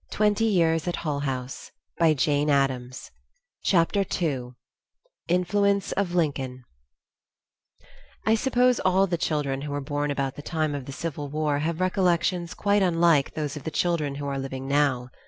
23 43. [Editor: Mary Mark Ockerbloom] CHAPTER II INFLUENCE OF LINCOLN I suppose all the children who were born about the time of the Civil War have recollections quite unlike those of the children who are living now.